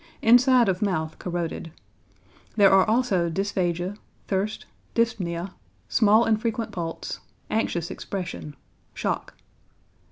Inside of mouth corroded. There are also dysphagia, thirst, dyspnoea, small and frequent pulse, anxious expression, shock.